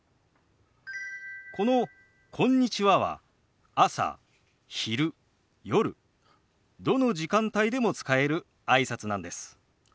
この「こんにちは」は朝昼夜どの時間帯でも使えるあいさつなんです。